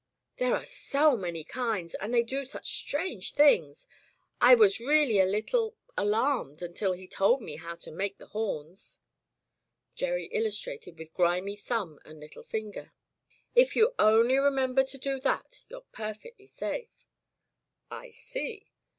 "There are so many kinds and they do such strange things. I was really a little — alarmed — until he told me how to 'make the horns.'" Gerry illustrated with grimy thumb and little finger. "If you only remember to do that you're perfectly safe." "I see."